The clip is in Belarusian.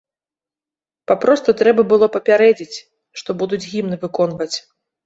Папросту трэба было папярэдзіць, што будуць гімн выконваць.